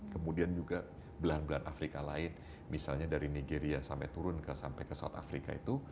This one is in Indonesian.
kemudian juga belahan belan afrika lain misalnya dari nigeria sampai turun sampai ke south afrika itu